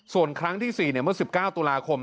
ส่วนครั้งที่๔เมื่อ๑๙ตุลาคม